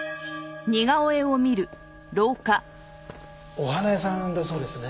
お花屋さんだそうですね。